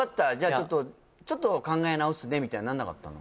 ちょっと「ちょっと考え直すね」みたいになんなかったの？